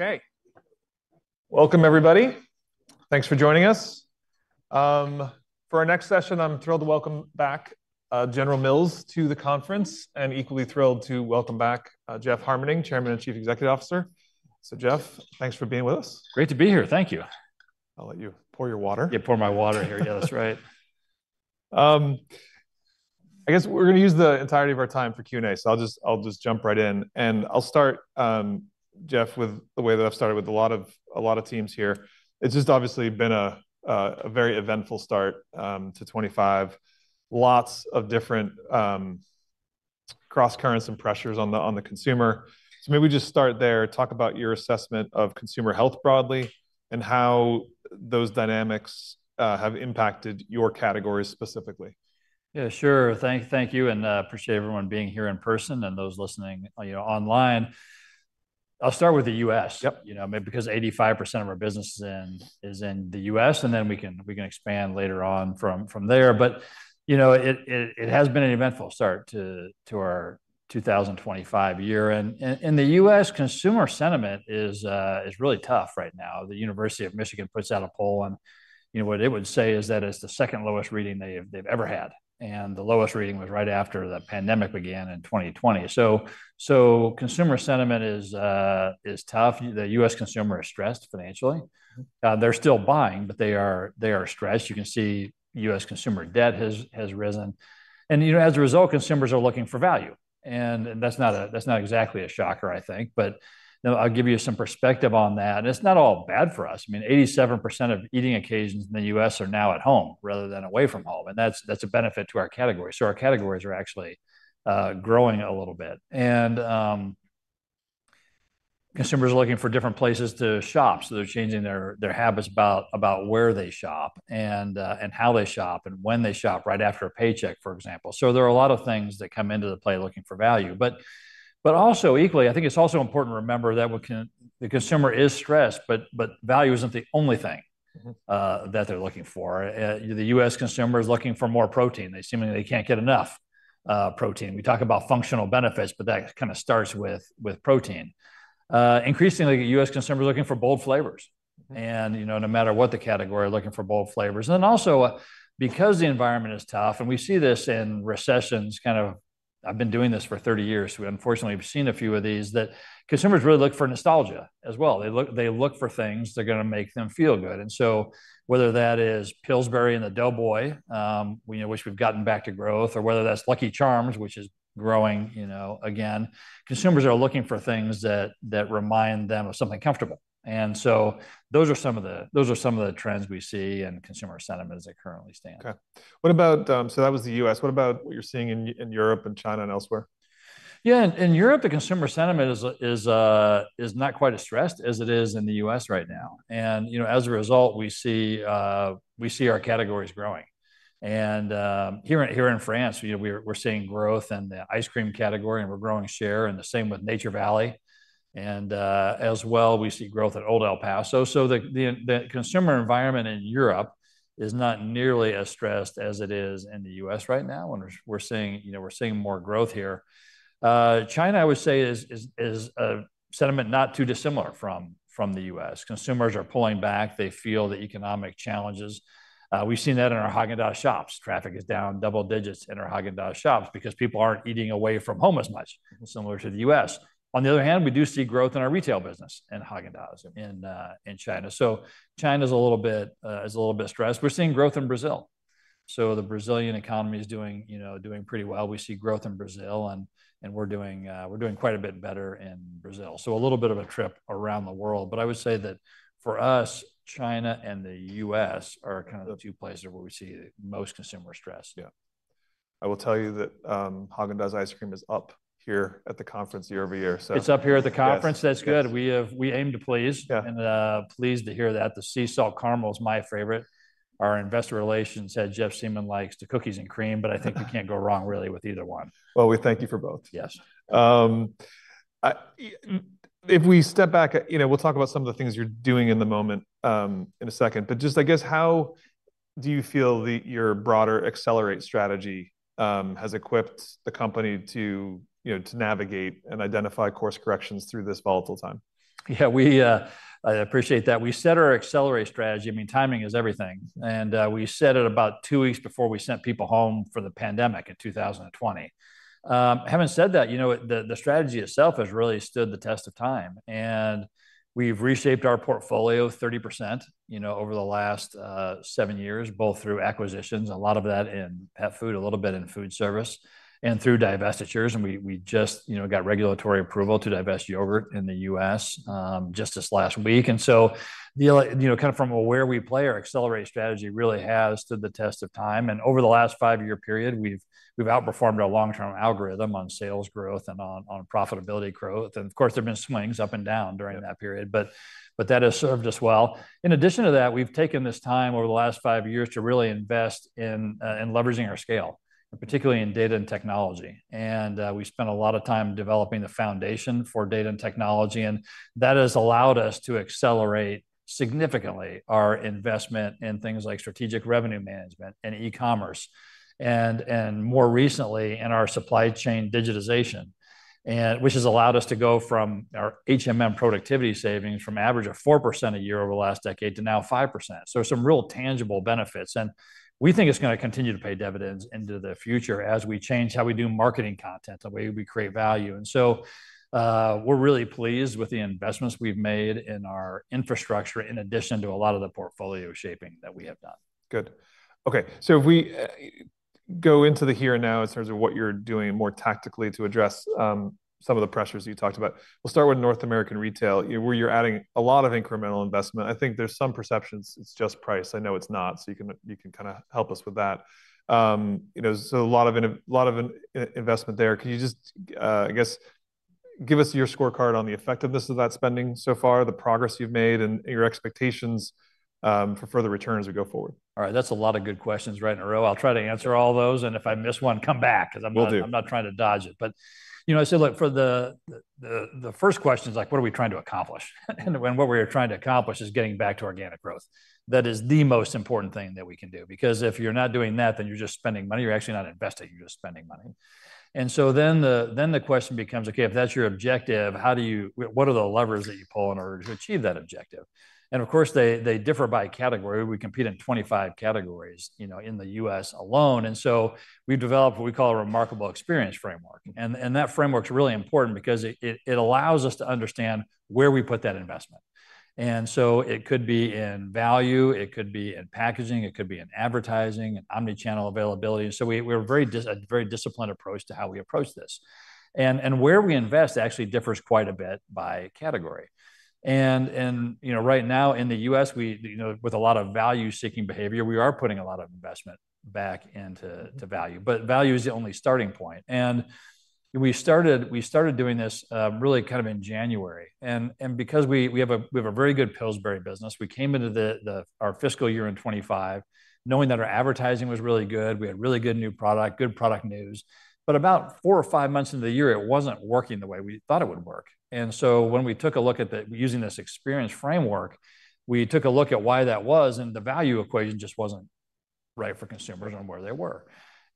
Okay. Welcome, everybody. Thanks for joining us. For our next session, I'm thrilled to welcome back General Mills to the conference and equally thrilled to welcome back Jeff Harmening, Chairman and Chief Executive Officer. Jeff, thanks for being with us. Great to be here. Thank you. I'll let you pour your water. Yeah, pour my water here. Yeah, that's right. I guess we're going to use the entirety of our time for Q&A, so I'll just jump right in. I'll start, Jeff, with the way that I've started with a lot of teams here. It's just obviously been a very eventful start to 2025. Lots of different cross-currents and pressures on the consumer. Maybe we just start there, talk about your assessment of consumer health broadly and how those dynamics have impacted your categories specifically. Yeah, sure. Thank you. I appreciate everyone being here in person and those listening online. I'll start with the U.S., because 85% of our business is in the U.S., and then we can expand later on from there. It has been an eventful start to our 2025 year. In the U.S., consumer sentiment is really tough right now. The University of Michigan puts out a poll, and what it would say is that it is the second lowest reading they have ever had. The lowest reading was right after the pandemic began in 2020. Consumer sentiment is tough. The U.S. consumer is stressed financially. They are still buying, but they are stressed. You can see U.S. consumer debt has risen. As a result, consumers are looking for value. That is not exactly a shocker, I think. I'll give you some perspective on that. It's not all bad for us. I mean, 87% of eating occasions in the U.S. are now at home rather than away from home. That's a benefit to our categories. Our categories are actually growing a little bit. Consumers are looking for different places to shop. They're changing their habits about where they shop and how they shop and when they shop, right after a paycheck, for example. There are a lot of things that come into play looking for value. Also, equally, I think it's important to remember that the consumer is stressed, but value isn't the only thing that they're looking for. The U.S. consumer is looking for more protein. They seem like they can't get enough protein. We talk about functional benefits, but that kind of starts with protein. Increasingly, the U.S. consumer is looking for bold flavors. No matter what the category, they're looking for bold flavors. Also, because the environment is tough, and we see this in recessions, kind of I've been doing this for 30 years, so we unfortunately have seen a few of these, consumers really look for nostalgia as well. They look for things that are going to make them feel good. Whether that is Pillsbury and the Doughboy, which we've gotten back to growth, or whether that's Lucky Charms, which is growing again, consumers are looking for things that remind them of something comfortable. Those are some of the trends we see in consumer sentiment as they currently stand. Okay. So that was the U.S. What about what you're seeing in Europe and China and elsewhere? Yeah. In Europe, the consumer sentiment is not quite as stressed as it is in the U.S. right now. As a result, we see our categories growing. Here in France, we're seeing growth in the ice cream category, and we're growing share, and the same with Nature Valley. As well, we see growth at Old El Paso. The consumer environment in Europe is not nearly as stressed as it is in the U.S. right now, and we're seeing more growth here. China, I would say, is a sentiment not too dissimilar from the U.S. Consumers are pulling back. They feel the economic challenges. We've seen that in our Häagen-Dazs shops. Traffic is down double digits in our Häagen-Dazs shops because people aren't eating away from home as much, similar to the U.S. On the other hand, we do see growth in our retail business in Häagen-Dazs in China. China is a little bit stressed. We're seeing growth in Brazil. The Brazilian economy is doing pretty well. We see growth in Brazil, and we're doing quite a bit better in Brazil. A little bit of a trip around the world. I would say that for us, China and the U.S. are kind of the two places where we see most consumer stress. Yeah. I will tell you that Häagen-Dazs ice cream is up here at the conference year over year. It's up here at the conference. That's good. We aim to please. Pleased to hear that. The sea salt caramel is my favorite. Our investor relations said Jeff Siemon likes the cookies and cream, but I think we can't go wrong really with either one. Thank you for both. Yes. If we step back, we'll talk about some of the things you're doing in the moment in a second. Just, I guess, how do you feel that your broader Accelerate strategy has equipped the company to navigate and identify course corrections through this volatile time? Yeah, I appreciate that. We set our accelerate strategy. I mean, timing is everything. We set it about two weeks before we sent people home for the pandemic in 2020. Having said that, the strategy itself has really stood the test of time. We have reshaped our portfolio 30% over the last seven years, both through acquisitions, a lot of that in pet food, a little bit in food service, and through divestitures. We just got regulatory approval to divest yogurt in the U.S. just this last week. Kind of from where we play, our accelerate strategy really has stood the test of time. Over the last five-year period, we have outperformed our long-term algorithm on sales growth and on profitability growth. Of course, there have been swings up and down during that period, but that has served us well. In addition to that, we've taken this time over the last five years to really invest in leveraging our scale, particularly in data and technology. We spent a lot of time developing the foundation for data and technology. That has allowed us to accelerate significantly our investment in things like strategic revenue management and e-commerce, and more recently in our supply chain digitization, which has allowed us to go from our productivity savings from an average of 4% a year over the last decade to now 5%. There are some real tangible benefits. We think it's going to continue to pay dividends into the future as we change how we do marketing content, the way we create value. We are really pleased with the investments we've made in our infrastructure in addition to a lot of the portfolio shaping that we have done. Good. Okay. If we go into the here and now in terms of what you're doing more tactically to address some of the pressures you talked about, we'll start with North American retail, where you're adding a lot of incremental investment. I think there's some perceptions it's just price. I know it's not, so you can kind of help us with that. A lot of investment there. Can you just, I guess, give us your scorecard on the effectiveness of that spending so far, the progress you've made, and your expectations for further returns as we go forward? All right. That's a lot of good questions right in a row. I'll try to answer all those. If I miss one, come back because I'm not trying to dodge it. I said, look, for the first question, it's like, what are we trying to accomplish? What we're trying to accomplish is getting back to organic growth. That is the most important thing that we can do. If you're not doing that, then you're just spending money. You're actually not investing. You're just spending money. The question becomes, okay, if that's your objective, what are the levers that you pull in order to achieve that objective? Of course, they differ by category. We compete in 25 categories in the US alone. We've developed what we call a remarkable experience framework. That framework is really important because it allows us to understand where we put that investment. It could be in value. It could be in packaging. It could be in advertising, in omnichannel availability. We have a very disciplined approach to how we approach this. Where we invest actually differs quite a bit by category. Right now in the U.S., with a lot of value-seeking behavior, we are putting a lot of investment back into value. Value is the only starting point. We started doing this really kind of in January. Because we have a very good Pillsbury business, we came into our fiscal year in 2025 knowing that our advertising was really good. We had really good new product, good product news. About four or five months into the year, it wasn't working the way we thought it would work. When we took a look at using this experience framework, we took a look at why that was, and the value equation just wasn't right for consumers on where they were.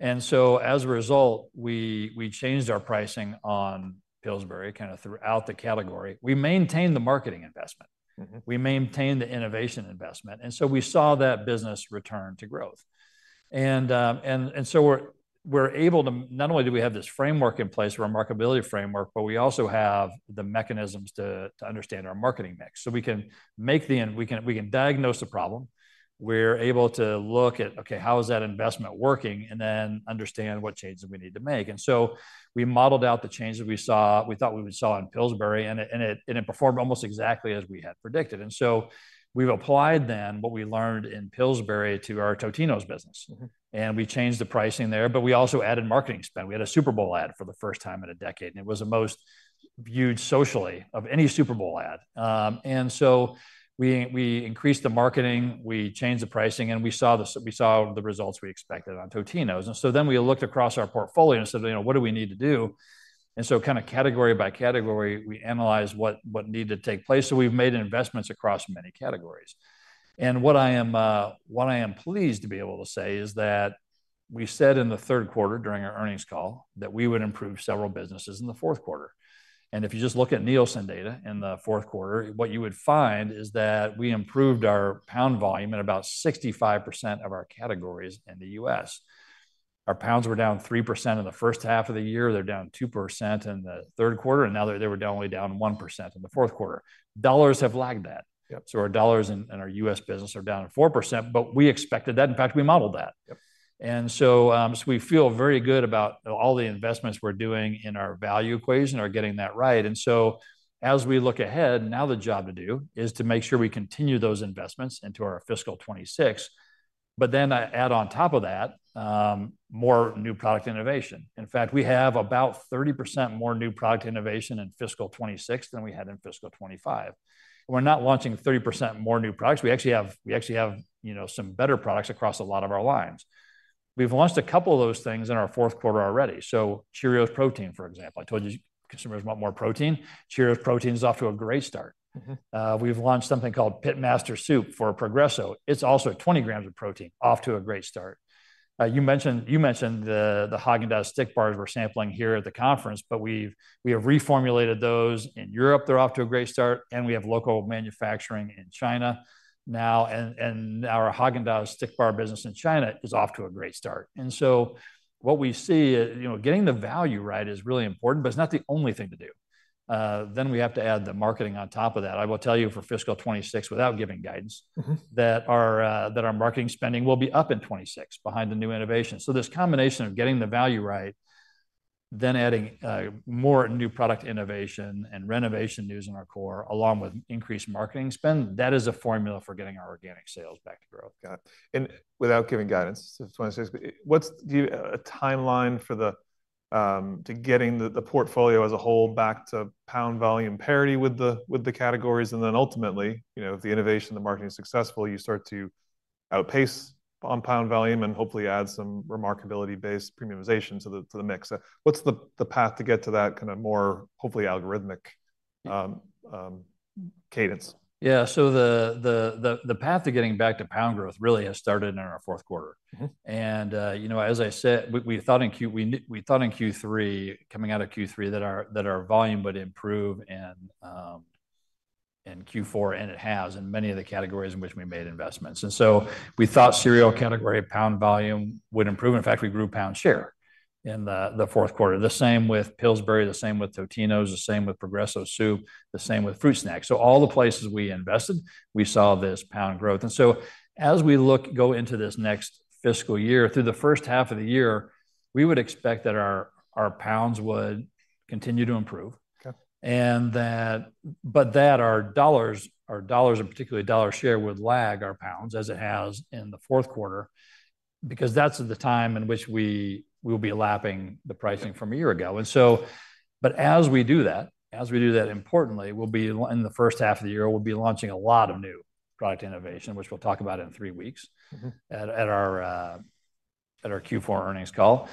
As a result, we changed our pricing on Pillsbury kind of throughout the category. We maintained the marketing investment. We maintained the innovation investment. We saw that business return to growth. We are able to not only do we have this framework in place, remarkability framework, but we also have the mechanisms to understand our marketing mix. We can diagnose the problem. We are able to look at, okay, how is that investment working, and then understand what changes we need to make. We modeled out the changes we saw. We thought we would saw in Pillsbury, and it performed almost exactly as we had predicted. We have applied then what we learned in Pillsbury to our Totino's business. We changed the pricing there, but we also added marketing spend. We had a Super Bowl ad for the first time in a decade, and it was the most viewed socially of any Super Bowl ad. We increased the marketing, we changed the pricing, and we saw the results we expected on Totino's. We looked across our portfolio and said, what do we need to do? Kind of category by category, we analyzed what needed to take place. We have made investments across many categories. What I am pleased to be able to say is that we said in the third quarter during our earnings call that we would improve several businesses in the fourth quarter. If you just look at Nielsen data in the fourth quarter, what you would find is that we improved our pound volume in about 65% of our categories in the U.S. Our pounds were down 3% in the first half of the year. They're down 2% in the third quarter, and now they were only down 1% in the fourth quarter. Dollars have lagged that. Our dollars in our U.S. business are down 4%, but we expected that. In fact, we modeled that. We feel very good about all the investments we're doing in our value equation or getting that right. As we look ahead, now the job to do is to make sure we continue those investments into our fiscal 2026, but then add on top of that more new product innovation. In fact, we have about 30% more new product innovation in fiscal 2026 than we had in fiscal 2025. We are not launching 30% more new products. We actually have some better products across a lot of our lines. We have launched a couple of those things in our fourth quarter already. Cheerios Protein, for example. I told you consumers want more protein. Cheerios Protein is off to a great start. We have launched something called Pitmaster Soup for Progresso. It is also 20 g of protein, off to a great start. You mentioned the Häagen-Dazs Stick Bars we are sampling here at the conference, but we have reformulated those. In Europe, they're off to a great start, and we have local manufacturing in China now. Our Häagen-Dazs stick bar business in China is off to a great start. What we see is getting the value right is really important, but it's not the only thing to do. We have to add the marketing on top of that. I will tell you for fiscal 2026, without giving guidance, that our marketing spending will be up in 2026 behind the new innovation. This combination of getting the value right, then adding more new product innovation and renovation news in our core along with increased marketing spend, that is a formula for getting our organic sales back to growth. Got it. Without giving guidance for 2026, what's a timeline for getting the portfolio as a whole back to pound volume parity with the categories? Ultimately, if the innovation, the marketing is successful, you start to outpace on pound volume and hopefully add some remarkability-based premiumization to the mix. What's the path to get to that kind of more hopefully algorithmic cadence? Yeah. The path to getting back to pound growth really has started in our fourth quarter. As I said, we thought in Q3, coming out of Q3, that our volume would improve in Q4, and it has in many of the categories in which we made investments. We thought cereal category pound volume would improve. In fact, we grew pound share in the fourth quarter. The same with Pillsbury, the same with Totino's, the same with Progresso Soup, the same with Fruit Snacks. All the places we invested, we saw this pound growth. As we go into this next fiscal year, through the first half of the year, we would expect that our pounds would continue to improve. Our dollars, our dollars and particularly dollar share would lag our pounds as it has in the fourth quarter because that is the time in which we will be lapping the pricing from a year ago. As we do that, importantly, in the first half of the year, we will be launching a lot of new product innovation, which we will talk about in three weeks at our Q4 earnings call.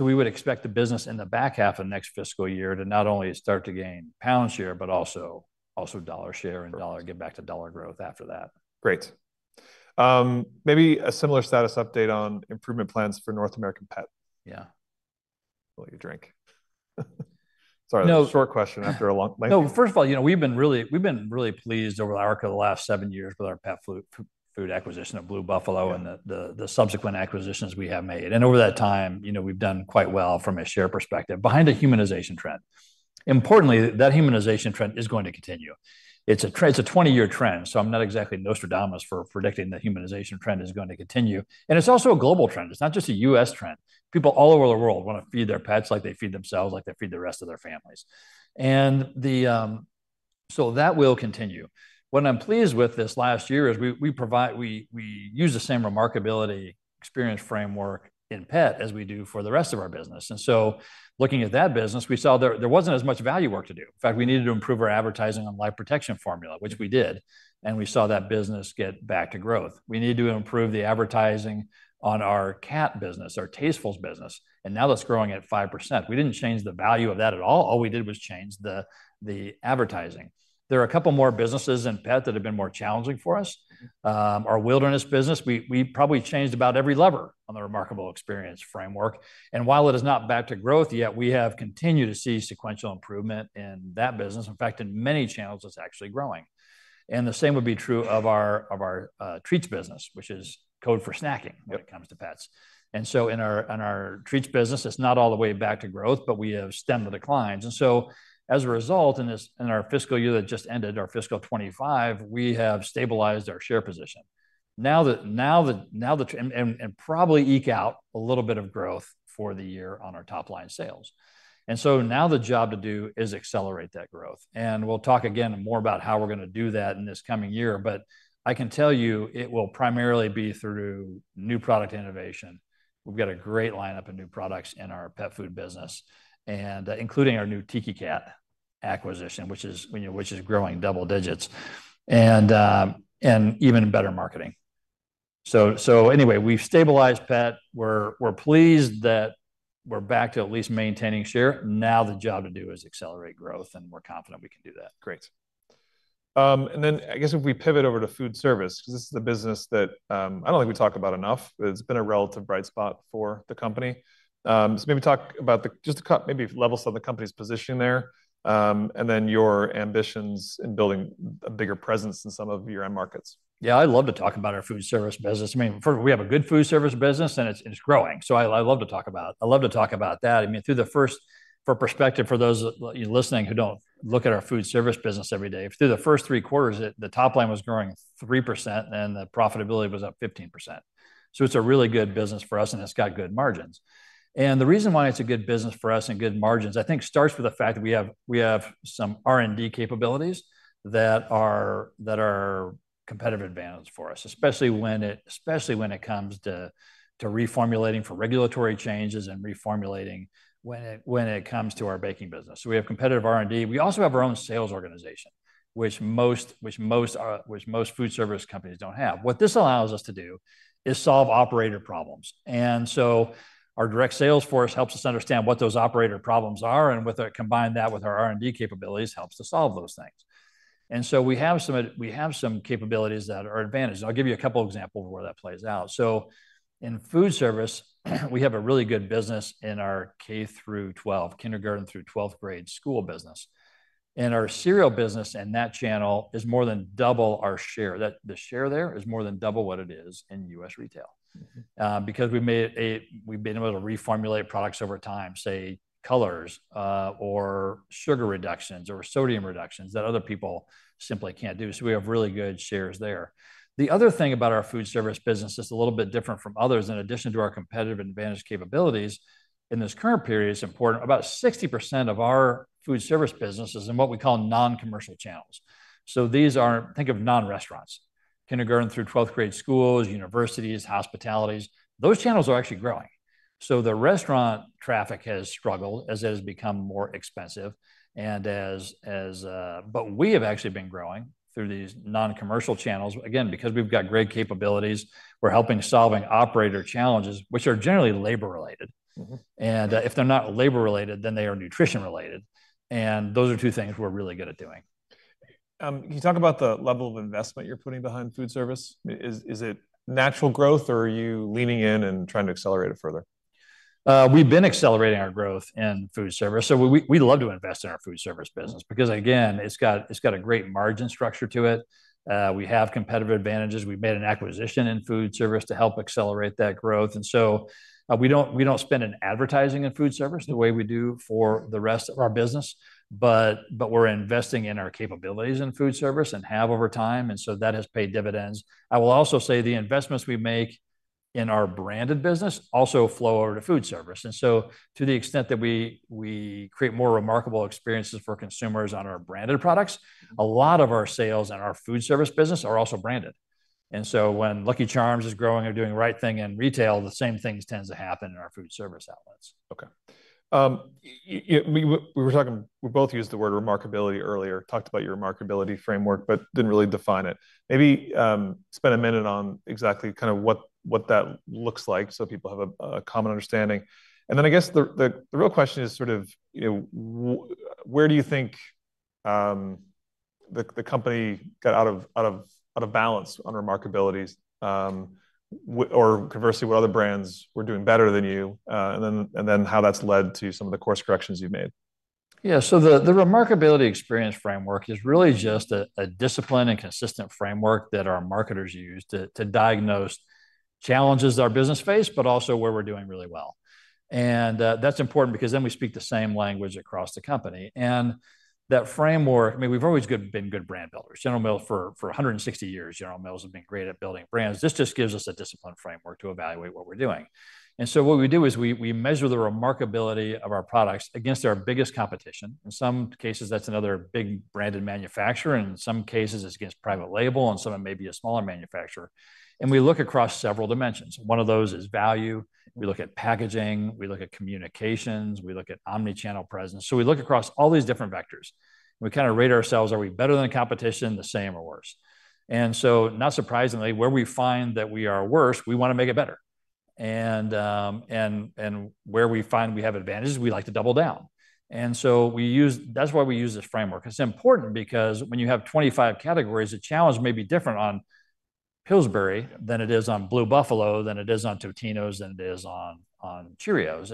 We would expect the business in the back half of next fiscal year to not only start to gain pound share, but also dollar share and get back to dollar growth after that. Great. Maybe a similar status update on improvement plans for North American pet. Yeah. I'll let you drink. Sorry, short question after a long. No, first of all, we've been really pleased over the arc of the last seven years with our pet food acquisition of Blue Buffalo and the subsequent acquisitions we have made. Over that time, we've done quite well from a share perspective behind a humanization trend. Importantly, that humanization trend is going to continue. It's a 20-year trend. I'm not exactly Nostradamus for predicting that humanization trend is going to continue. It's also a global trend. It's not just a U.S. trend. People all over the world want to feed their pets like they feed themselves, like they feed the rest of their families. That will continue. What I'm pleased with this last year is we use the same remarkability experience framework in pet as we do for the rest of our business. Looking at that business, we saw there was not as much value work to do. In fact, we needed to improve our advertising on Life Protection Formula, which we did. We saw that business get back to growth. We needed to improve the advertising on our cat business, our Tastefuls business. Now that is growing at 5%. We did not change the value of that at all. All we did was change the advertising. There are a couple more businesses in pet that have been more challenging for us. Our Wilderness business, we probably changed about every lever on the Remarkability Experience Framework. While it is not back to growth yet, we have continued to see sequential improvement in that business. In fact, in many channels, it is actually growing. The same would be true of our treats business, which is code for snacking when it comes to pets. In our treats business, it is not all the way back to growth, but we have stemmed the declines. As a result, in our fiscal year that just ended, our fiscal 2025, we have stabilized our share position. Now that and probably eke out a little bit of growth for the year on our top-line sales. Now the job to do is accelerate that growth. We will talk again more about how we are going to do that in this coming year. I can tell you it will primarily be through new product innovation. We have got a great lineup of new products in our pet food business, including our new Tiki Cat acquisition, which is growing double digits and even better marketing. Anyway, we've stabilized pet. We're pleased that we're back to at least maintaining share. Now the job to do is accelerate growth, and we're confident we can do that. Great. I guess if we pivot over to food service, because this is the business that I do not think we talk about enough, but it has been a relative bright spot for the company. Maybe talk about just maybe level some of the company's positioning there and then your ambitions in building a bigger presence in some of your end markets. Yeah, I'd love to talk about our food service business. I mean, we have a good food service business, and it's growing. I'd love to talk about it. For perspective for those listening who do not look at our food service business every day, through the first three quarters, the top line was growing 3%, and the profitability was up 15%. It is a really good business for us, and it has good margins. The reason why it is a good business for us and has good margins, I think, starts with the fact that we have some R&D capabilities that are competitive advantages for us, especially when it comes to reformulating for regulatory changes and reformulating when it comes to our baking business. We have competitive R&D. We also have our own sales organization, which most food service companies do not have. What this allows us to do is solve operator problems. Our direct sales force helps us understand what those operator problems are, and combine that with our R&D capabilities helps to solve those things. We have some capabilities that are advantages. I'll give you a couple of examples of where that plays out. In food service, we have a really good business in our K through 12, kindergarten through 12th grade school business. Our cereal business in that channel is more than double our share. The share there is more than double what it is in U.S. retail because we've been able to reformulate products over time, say, colors or sugar reductions or sodium reductions that other people simply can't do. We have really good shares there. The other thing about our food service business that's a little bit different from others, in addition to our competitive advantage capabilities in this current period, it's important about 60% of our food service business is in what we call non-commercial channels. These are, think of non-restaurants, kindergarten through 12th grade schools, universities, hospitalities. Those channels are actually growing. The restaurant traffic has struggled as it has become more expensive. We have actually been growing through these non-commercial channels. Again, because we've got great capabilities, we're helping solve operator challenges, which are generally labor-related. If they're not labor-related, then they are nutrition-related. Those are two things we're really good at doing. Can you talk about the level of investment you're putting behind food service? Is it natural growth, or are you leaning in and trying to accelerate it further? We've been accelerating our growth in food service. We love to invest in our food service business because, again, it's got a great margin structure to it. We have competitive advantages. We've made an acquisition in food service to help accelerate that growth. We don't spend in advertising in food service the way we do for the rest of our business, but we're investing in our capabilities in food service and have over time. That has paid dividends. I will also say the investments we make in our branded business also flow over to food service. To the extent that we create more remarkable experiences for consumers on our branded products, a lot of our sales in our food service business are also branded. When Lucky Charms is growing or doing the right thing in retail, the same thing tends to happen in our food service outlets. Okay. We were talking, we both used the word remarkability earlier, talked about your remarkability framework, but did not really define it. Maybe spend a minute on exactly kind of what that looks like so people have a common understanding. I guess the real question is sort of where do you think the company got out of balance on remarkabilities or conversely, what other brands were doing better than you and then how that has led to some of the course corrections you have made? Yeah. The remarkability experience framework is really just a disciplined and consistent framework that our marketers use to diagnose challenges our business faced, but also where we're doing really well. That's important because then we speak the same language across the company. That framework, I mean, we've always been good brand builders. General Mills, for 160 years, General Mills has been great at building brands. This just gives us a disciplined framework to evaluate what we're doing. What we do is we measure the remarkability of our products against our biggest competition. In some cases, that's another big branded manufacturer. In some cases, it's against private label, and some of it may be a smaller manufacturer. We look across several dimensions. One of those is value. We look at packaging. We look at communications. We look at omnichannel presence. We look across all these different vectors. We kind of rate ourselves, are we better than the competition, the same, or worse? Not surprisingly, where we find that we are worse, we want to make it better. Where we find we have advantages, we like to double down. That is why we use this framework. It is important because when you have 25 categories, the challenge may be different on Pillsbury than it is on Blue Buffalo than it is on Totino’s than it is on Cheerios.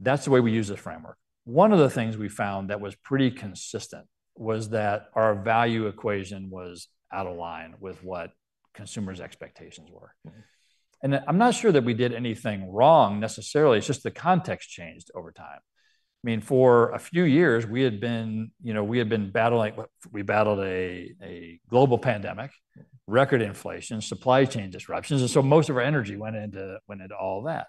That is the way we use this framework. One of the things we found that was pretty consistent was that our value equation was out of line with what consumers' expectations were. I am not sure that we did anything wrong necessarily. It is just the context changed over time. I mean, for a few years, we had been battling, we battled a global pandemic, record inflation, supply chain disruptions. Most of our energy went into all that.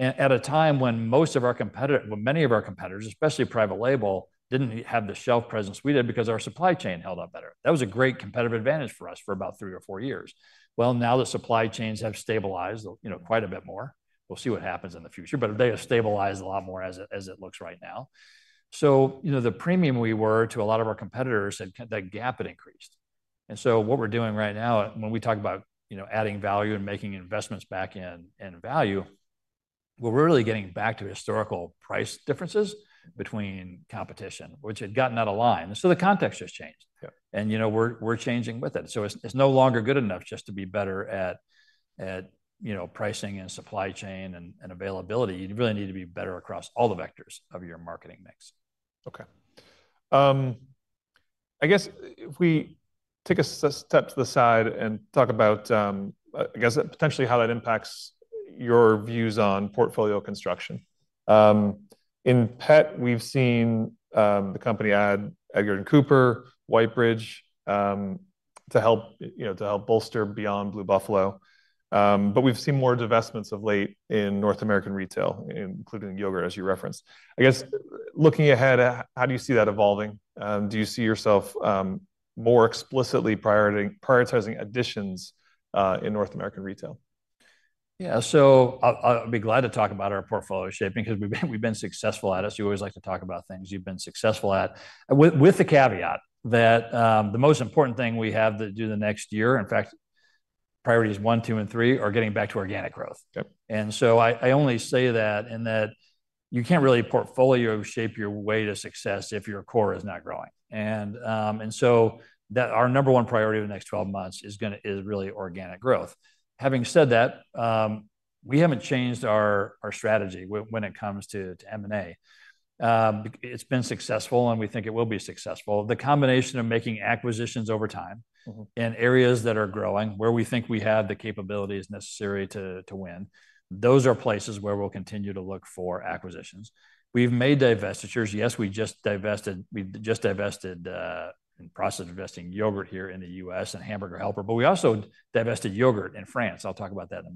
At a time when most of our competitors, when many of our competitors, especially private label, did not have the shelf presence we did because our supply chain held up better. That was a great competitive advantage for us for about three or four years. Now the supply chains have stabilized quite a bit more. We will see what happens in the future, but they have stabilized a lot more as it looks right now. The premium we were to a lot of our competitors, that gap, it increased. What we are doing right now, when we talk about adding value and making investments back in value, we are really getting back to historical price differences between competition, which had gotten out of line. The context has changed. We are changing with it. It is no longer good enough just to be better at pricing and supply chain and availability. You really need to be better across all the vectors of your marketing mix. Okay. I guess if we take a step to the side and talk about, I guess, potentially how that impacts your views on portfolio construction. In pet, we've seen the company add Edgar & Cooper, Whitebridge to help bolster beyond Blue Buffalo. But we've seen more divestments of late in North American retail, including yogurt, as you referenced. I guess looking ahead, how do you see that evolving? Do you see yourself more explicitly prioritizing additions in North American retail? Yeah. I'll be glad to talk about our portfolio shaping because we've been successful at it. You always like to talk about things you've been successful at, with the caveat that the most important thing we have to do the next year, in fact, priorities one, two, and three are getting back to organic growth. I only say that in that you can't really portfolio shape your way to success if your core is not growing. Our number one priority in the next 12 months is really organic growth. Having said that, we haven't changed our strategy when it comes to M&A. It's been successful, and we think it will be successful. The combination of making acquisitions over time in areas that are growing, where we think we have the capabilities necessary to win, those are places where we'll continue to look for acquisitions. We've made divestitures. Yes, we just divested in the process of investing yogurt here in the U.S. and Hamburger Helper, but we also divested yogurt in France. I'll talk about that in a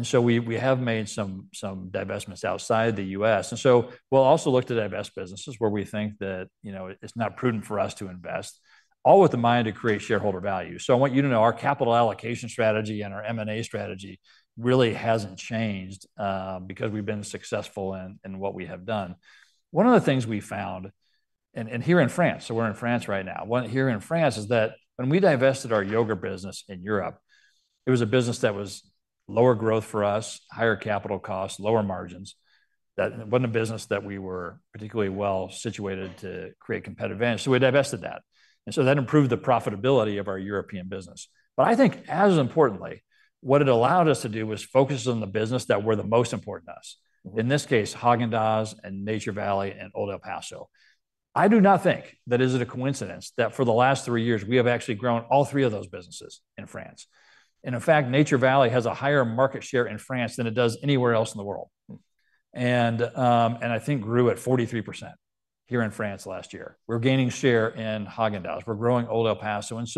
minute. We have made some divestments outside the U.S. We will also look to divest businesses where we think that it's not prudent for us to invest, all with the mind to create shareholder value. I want you to know our capital allocation strategy and our M&A strategy really hasn't changed because we've been successful in what we have done. One of the things we found, and here in France, so we're in France right now, here in France is that when we divested our yogurt business in Europe, it was a business that was lower growth for us, higher capital costs, lower margins. That was not a business that we were particularly well situated to create competitive advantage. We divested that. That improved the profitability of our European business. I think, as importantly, what it allowed us to do was focus on the businesses that were the most important to us, in this case, Häagen-Dazs and Nature Valley and Old El Paso. I do not think that it is a coincidence that for the last three years, we have actually grown all three of those businesses in France. In fact, Nature Valley has a higher market share in France than it does anywhere else in the world. I think grew at 43% here in France last year. We are gaining share in Häagen-Dazs. We are growing Old El Paso. It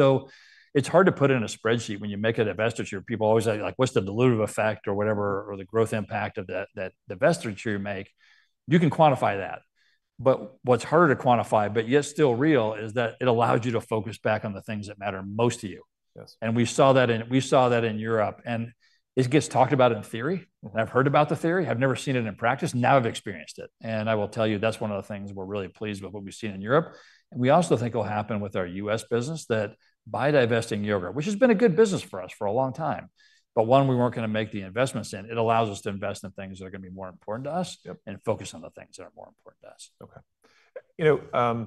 is hard to put it in a spreadsheet when you make a divestiture. People always say, like, what's the dilutive effect or whatever or the growth impact of that divestiture you make? You can quantify that. What's harder to quantify, but yet still real, is that it allows you to focus back on the things that matter most to you. We saw that in Europe. It gets talked about in theory. I've heard about the theory. I've never seen it in practice. Now I've experienced it. I will tell you, that's one of the things we're really pleased with what we've seen in Europe. We also think it'll happen with our U.S. business that by divesting yogurt, which has been a good business for us for a long time, but one we weren't going to make the investments in, it allows us to invest in things that are going to be more important to us and focus on the things that are more important to us. Okay.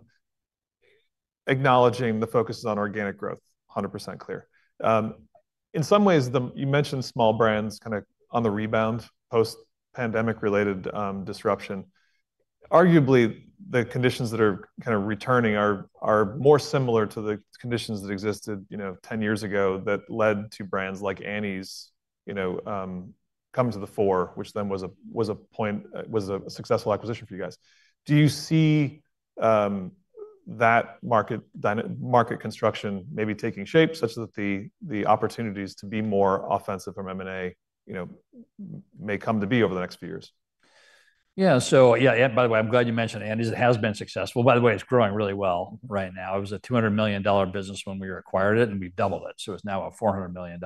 Acknowledging the focus on organic growth, 100% clear. In some ways, you mentioned small brands kind of on the rebound post-pandemic related disruption. Arguably, the conditions that are kind of returning are more similar to the conditions that existed 10 years ago that led to brands like Annie's come to the fore, which then was a successful acquisition for you guys. Do you see that market construction maybe taking shape such that the opportunities to be more offensive from M&A may come to be over the next few years? Yeah. So yeah, by the way, I'm glad you mentioned Annie's. It has been successful. By the way, it's growing really well right now. It was a $200 million business when we acquired it, and we doubled it. So it's now a $400 million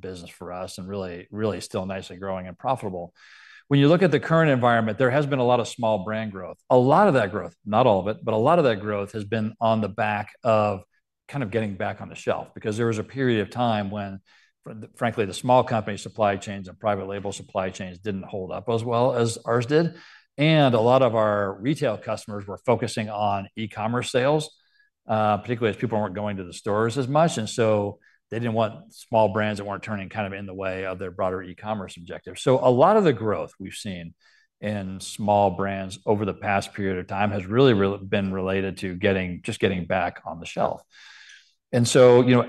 business for us and really still nicely growing and profitable. When you look at the current environment, there has been a lot of small brand growth. A lot of that growth, not all of it, but a lot of that growth has been on the back of kind of getting back on the shelf because there was a period of time when, frankly, the small company supply chains and private label supply chains didn't hold up as well as ours did. A lot of our retail customers were focusing on e-commerce sales, particularly as people weren't going to the stores as much. They did not want small brands that were not turning kind of in the way of their broader e-commerce objective. A lot of the growth we have seen in small brands over the past period of time has really been related to just getting back on the shelf. There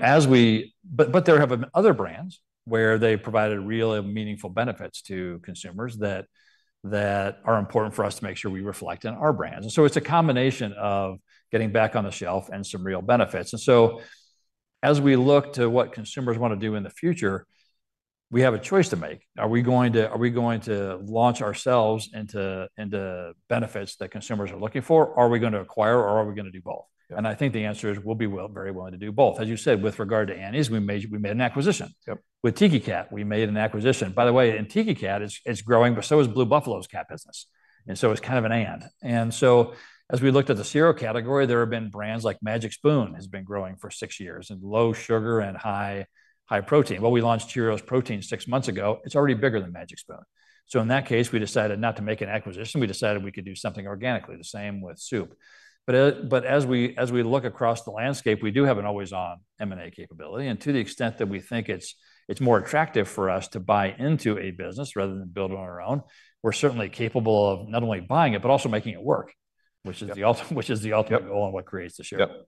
have been other brands where they provided real and meaningful benefits to consumers that are important for us to make sure we reflect in our brands. It is a combination of getting back on the shelf and some real benefits. As we look to what consumers want to do in the future, we have a choice to make. Are we going to launch ourselves into benefits that consumers are looking for? Are we going to acquire, or are we going to do both? I think the answer is we'll be very willing to do both. As you said, with regard to Annie's, we made an acquisition. With Tiki Cat, we made an acquisition. By the way, in Tiki Cat, it's growing, but so is Blue Buffalo's cat business. It is kind of an and. As we looked at the cereal category, there have been brands like Magic Spoon that has been growing for six years and low sugar and high protein. We launched Cheerios Protein six months ago. It's already bigger than Magic Spoon. In that case, we decided not to make an acquisition. We decided we could do something organically, the same with soup. As we look across the landscape, we do have an always-on M&A capability. To the extent that we think it's more attractive for us to buy into a business rather than build on our own, we're certainly capable of not only buying it, but also making it work, which is the ultimate goal and what creates the share value.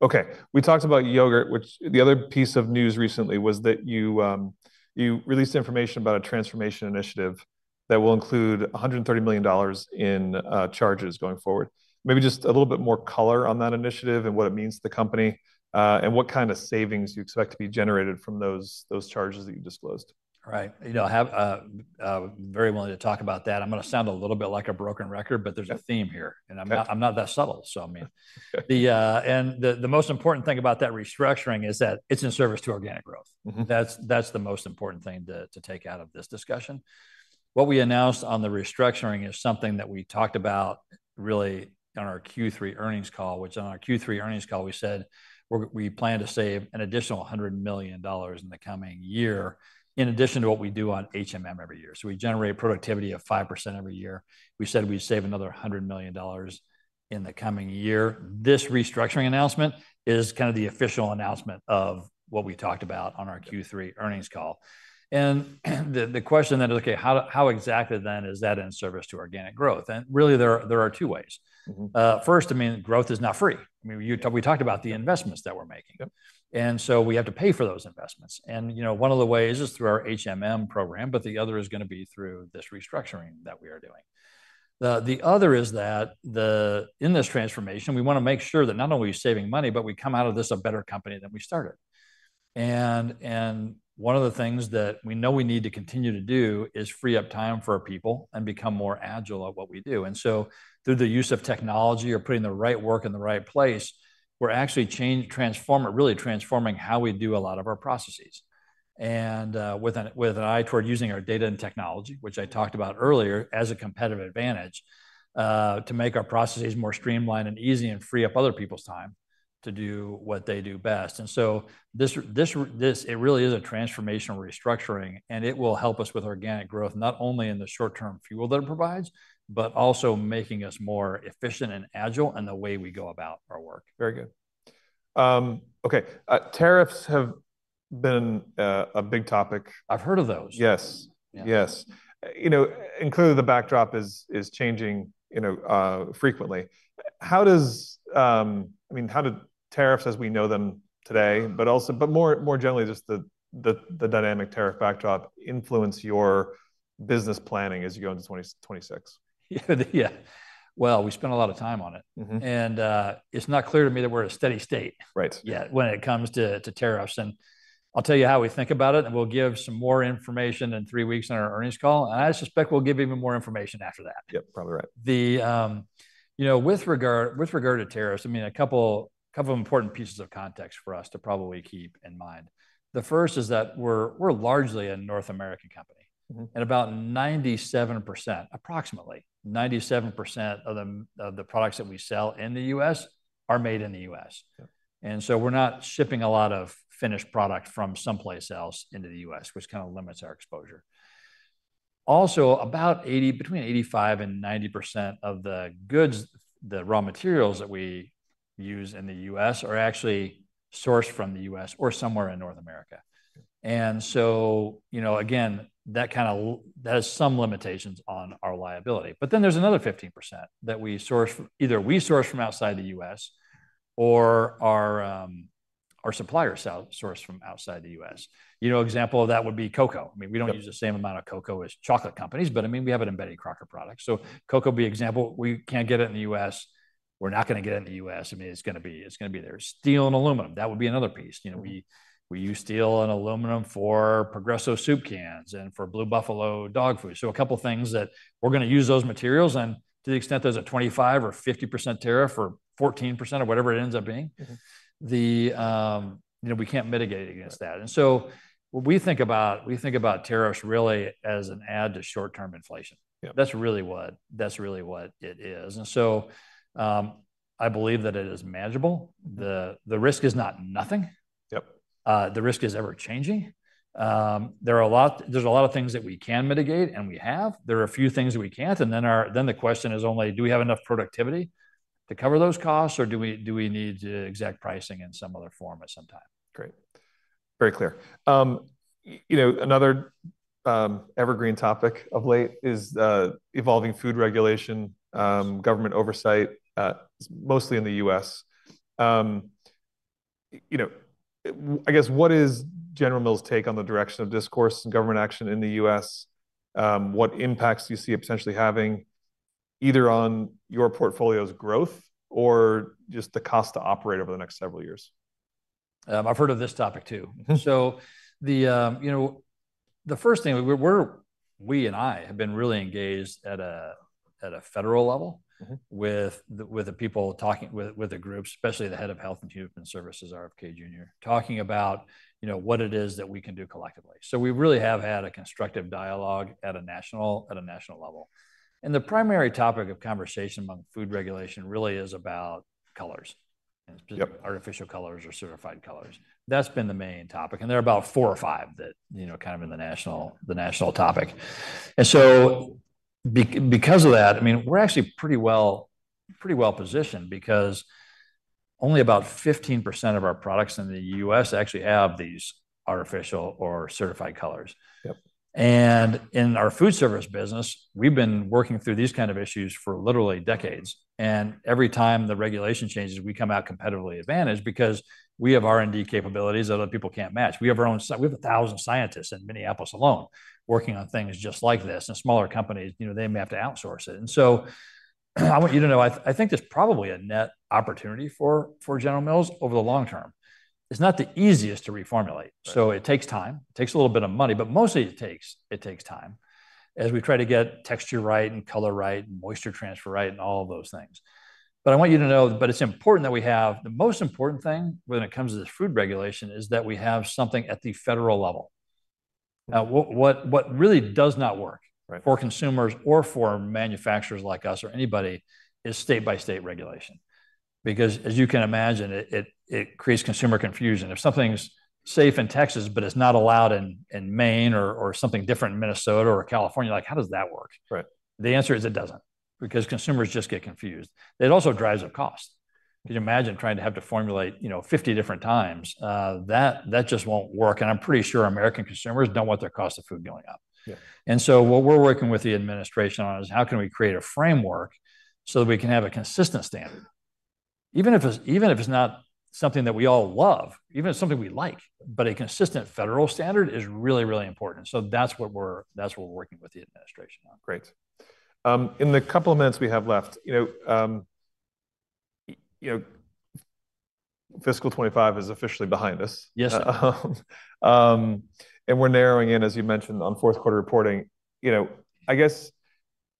Okay. We talked about yogurt, which the other piece of news recently was that you released information about a transformation initiative that will include $130 million in charges going forward. Maybe just a little bit more color on that initiative and what it means to the company and what kind of savings you expect to be generated from those charges that you disclosed. Right. I'm very willing to talk about that. I'm going to sound a little bit like a broken record, but there's a theme here. I'm not that subtle. I mean, the most important thing about that restructuring is that it's in service to organic growth. That's the most important thing to take out of this discussion. What we announced on the restructuring is something that we talked about really on our Q3 earnings call, which on our Q3 earnings call, we said we plan to save an additional $100 million in the coming year in addition to what we do every year. We generate productivity of 5% every year. We said we'd save another $100 million in the coming year. This restructuring announcement is kind of the official announcement of what we talked about on our Q3 earnings call. The question then is, okay, how exactly then is that in service to organic growth? Really, there are two ways. First, I mean, growth is not free. I mean, we talked about the investments that we're making. We have to pay for those investments. One of the ways is through our program, but the other is going to be through this restructuring that we are doing. The other is that in this transformation, we want to make sure that not only are we saving money, but we come out of this a better company than we started. One of the things that we know we need to continue to do is free up time for our people and become more agile at what we do. Through the use of technology or putting the right work in the right place, we're actually transforming, really transforming how we do a lot of our processes. With an eye toward using our data and technology, which I talked about earlier as a competitive advantage, to make our processes more streamlined and easy and free up other people's time to do what they do best. It really is a transformational restructuring, and it will help us with organic growth, not only in the short-term fuel that it provides, but also making us more efficient and agile in the way we go about our work. Very good. Okay. Tariffs have been a big topic. I've heard of those. Yes. Yes. Clearly, the backdrop is changing frequently. I mean, how did tariffs as we know them today, but more generally, just the dynamic tariff backdrop influence your business planning as you go into 2026? Yeah. We spent a lot of time on it. It's not clear to me that we're at a steady state yet when it comes to tariffs. I'll tell you how we think about it, and we'll give some more information in three weeks on our earnings call. I suspect we'll give even more information after that. Yep. Probably right. With regard to tariffs, I mean, a couple of important pieces of context for us to probably keep in mind. The first is that we're largely a North American company. About 97%, approximately 97% of the products that we sell in the U.S. are made in the U.S. We are not shipping a lot of finished product from someplace else into the U.S., which kind of limits our exposure. Also, between 85% and 90% of the goods, the raw materials that we use in the U.S. are actually sourced from the U.S. or somewhere in North America. That has some limitations on our liability. There is another 15% that we source, either we source from outside the U.S. or our suppliers source from outside the U.S. An example of that would be cocoa. I mean, we do not use the same amount of cocoa as chocolate companies, but I mean, we have an embedded cracker product. So cocoa would be an example. We cannot get it in the U.S. We are not going to get it in the U.S. I mean, it is going to be there. Steel and aluminum. That would be another piece. We use steel and aluminum for Progresso Soup cans and for Blue Buffalo dog food. So a couple of things that we are going to use those materials. And to the extent there is a 25% or 50% tariff or 14% or whatever it ends up being, we cannot mitigate against that. And so what we think about, we think about tariffs really as an add to short-term inflation. That is really what it is. And so I believe that it is manageable. The risk is not nothing. The risk is ever-changing. There's a lot of things that we can mitigate, and we have. There are a few things that we can't. The question is only, do we have enough productivity to cover those costs, or do we need exact pricing in some other form at some time? Great. Very clear. Another evergreen topic of late is evolving food regulation, government oversight, mostly in the U.S. I guess, what is General Mills' take on the direction of discourse and government action in the U.S.? What impacts do you see it potentially having either on your portfolio's growth or just the cost to operate over the next several years? I've heard of this topic too. The first thing, we and I have been really engaged at a federal level with the people talking with the groups, especially the head of Health and Human Services, RFK Jr., talking about what it is that we can do collectively. We really have had a constructive dialogue at a national level. The primary topic of conversation among food regulation really is about colors, artificial colors or certified colors. That's been the main topic. There are about four or five that are kind of in the national topic. Because of that, I mean, we're actually pretty well positioned because only about 15% of our products in the US actually have these artificial or certified colors. In our food service business, we've been working through these kind of issues for literally decades. Every time the regulation changes, we come out competitively advantaged because we have R&D capabilities that other people cannot match. We have a thousand scientists in Minneapolis alone working on things just like this. Smaller companies may have to outsource it. I want you to know, I think there is probably a net opportunity for General Mills over the long term. It is not the easiest to reformulate. It takes time. It takes a little bit of money, but mostly it takes time as we try to get texture right and color right and moisture transfer right and all of those things. I want you to know it is important that we have the most important thing when it comes to this food regulation, which is that we have something at the federal level. Now, what really does not work for consumers or for manufacturers like us or anybody is state-by-state regulation. Because as you can imagine, it creates consumer confusion. If something's safe in Texas, but it's not allowed in Maine or something different in Minnesota or California, how does that work? The answer is it doesn't because consumers just get confused. It also drives up costs. Can you imagine trying to have to formulate 50 different times? That just won't work. I'm pretty sure American consumers don't want their cost of food going up. What we're working with the administration on is how can we create a framework so that we can have a consistent standard. Even if it's not something that we all love, even if it's something we like, a consistent federal standard is really, really important. That's what we're working with the administration on. Great. In the couple of minutes we have left, fiscal 2025 is officially behind us. We are narrowing in, as you mentioned, on fourth quarter reporting. I guess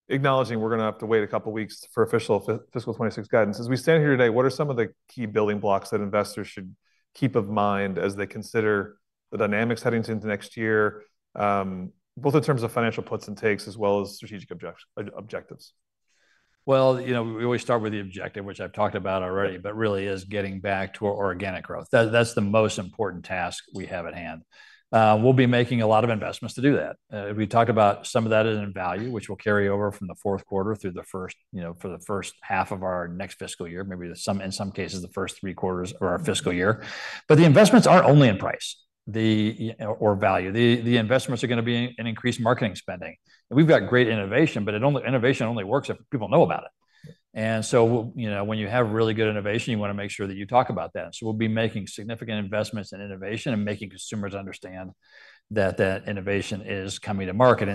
acknowledging we are going to have to wait a couple of weeks for official fiscal 2026 guidance. As we stand here today, what are some of the key building blocks that investors should keep in mind as they consider the dynamics heading into next year, both in terms of financial puts and takes as well as strategic objectives? We always start with the objective, which I've talked about already, but really is getting back to our organic growth. That's the most important task we have at hand. We'll be making a lot of investments to do that. We talked about some of that is in value, which will carry over from the fourth quarter through the first for the first half of our next fiscal year, maybe in some cases, the first three quarters of our fiscal year. The investments aren't only in price or value. The investments are going to be in increased marketing spending. We've got great innovation, but innovation only works if people know about it. When you have really good innovation, you want to make sure that you talk about that. We will be making significant investments in innovation and making consumers understand that that innovation is coming to market.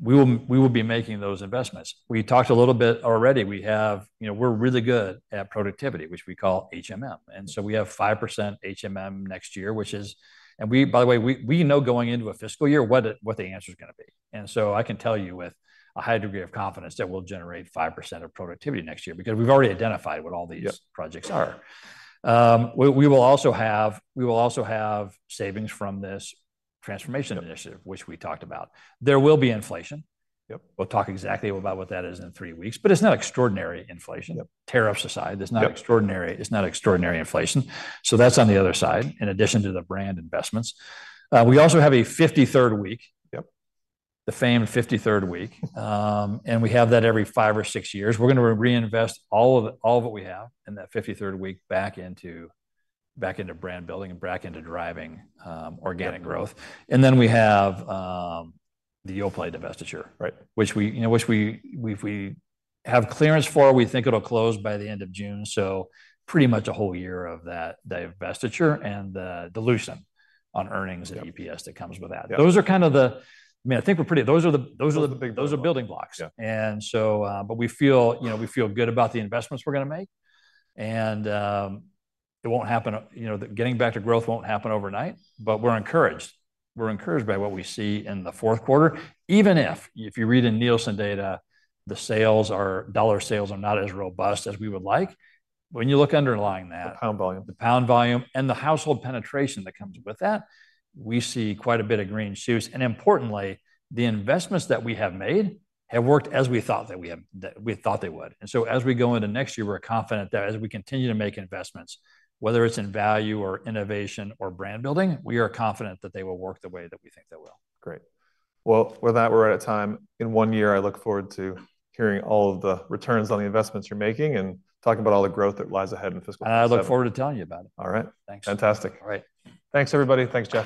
We will be making those investments. We talked a little bit already. We are really good at productivity, which we call, and we have 5% next year, which is, and by the way, we know going into a fiscal year what the answer is going to be. I can tell you with a high degree of confidence that we will generate 5% of productivity next year because we have already identified what all these projects are. We will also have savings from this transformation initiative, which we talked about. There will be inflation. We will talk exactly about what that is in three weeks, but it is not extraordinary inflation. Tariffs aside, it is not extraordinary inflation. That is on the other side in addition to the brand investments. We also have a 53rd week, the famed 53rd week. We have that every five or six years. We are going to reinvest all of what we have in that 53rd week back into brand building and back into driving organic growth. We have the Yoplait divestiture, which we have clearance for. We think it will close by the end of June. Pretty much a whole year of that divestiture and the dilution on earnings and EPS that comes with that. Those are kind of the, I mean, I think we are pretty, those are the building blocks. We feel good about the investments we are going to make. It will not happen, getting back to growth will not happen overnight, but we are encouraged. We are encouraged by what we see in the fourth quarter. Even if you read in Nielsen data, the dollar sales are not as robust as we would like, when you look underlying that. Pound volume. The pound volume and the household penetration that comes with that, we see quite a bit of green shoots. Importantly, the investments that we have made have worked as we thought they would. As we go into next year, we're confident that as we continue to make investments, whether it's in value or innovation or brand building, we are confident that they will work the way that we think they will. Great. With that, we're out of time. In one year, I look forward to hearing all of the returns on the investments you're making and talking about all the growth that lies ahead in fiscal 2026. I look forward to telling you about it. All right. Fantastic. All right. Thanks, everybody. Thanks, Jeff.